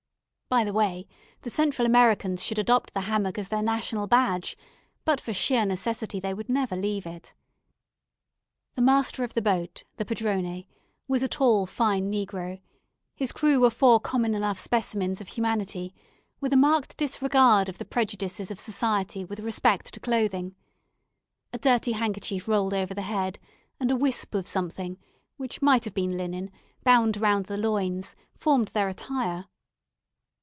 By the way, the Central Americans should adopt the hammock as their national badge; but for sheer necessity they would never leave it. The master of the boat, the padrone, was a fine tall negro, his crew were four common enough specimens of humanity, with a marked disregard of the prejudices of society with respect to clothing. A dirty handkerchief rolled over the head, and a wisp of something, which might have been linen, bound round the loins, formed their attire.